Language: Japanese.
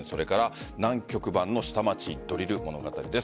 南極版の下町ドリル物語です。